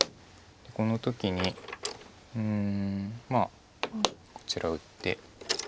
この時にうんまあこちら打って。